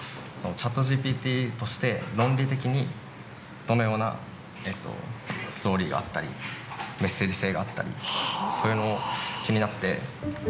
チャットＧＰＴとして論理的にどのようなストーリーだったり、メッセージ性があったり、そういうのを気になって。